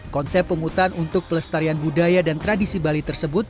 konsep penghutan untuk pelestarian budaya dan tradisi bali tersebut